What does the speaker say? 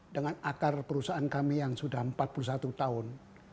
dengan akar perusahaan kami yang sudah empat puluh satu tahun